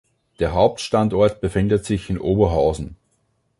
Der Hauptstandort befindet sich in Oberhausen.